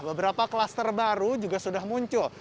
beberapa klaster baru juga sudah muncul